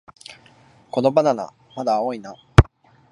このバナナ、まだ青いな